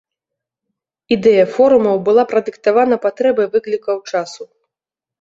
Ідэя форумаў была прадыктавана патрэбай выклікаў часу.